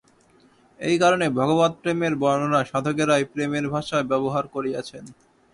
এই কারণে ভগবৎপ্রেমের বর্ণনায় সাধকেরা এই প্রেমের ভাষায় ব্যবহার করিয়াছেন।